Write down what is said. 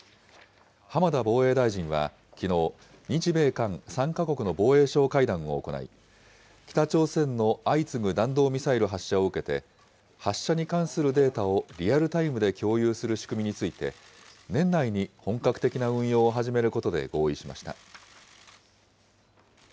浜田防衛大臣はきのう、日米韓３か国の防衛相会談を行い、北朝鮮の相次ぐ弾道ミサイル発射を受けて、発射に関するデータをリアルタイムで共有する仕組みについて、年内に本格的な運用を始めることで合意しました。